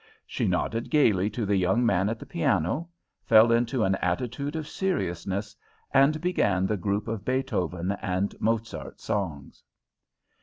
She nodded gaily to the young man at the piano, fell into an attitude of seriousness, and began the group of Beethoven and Mozart songs.